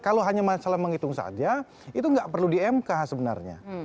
kalau hanya masalah menghitung saja itu nggak perlu di mk sebenarnya